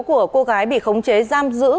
của cô gái bị khống chế giam giữ